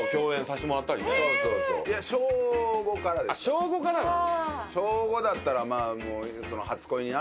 あっ小５からなの？